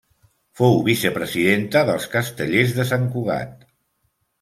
Fou vicepresidenta dels Castellers de Sant Cugat.